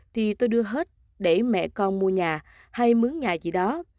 thì tôi đưa hết để mẹ con mua nhà hay mướn nhà gì đó